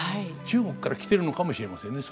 中国から来てるのかもしれませんね